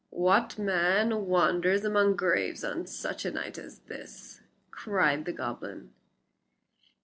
"What man wanders among graves on such a night as this?" cried the goblin.